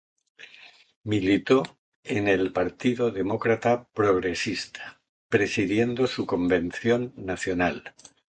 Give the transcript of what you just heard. Militó en el Partido Demócrata Progresista, presidiendo su Convención Nacional.